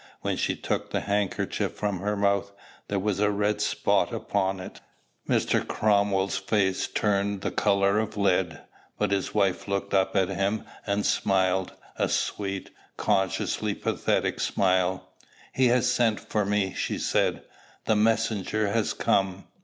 When she took the handkerchief from her mouth, there was a red spot upon it. Mr. Cromwell's face turned the color of lead; but his wife looked up at him, and smiled; a sweet, consciously pathetic smile. "He has sent for me," she said. "The messenger has come."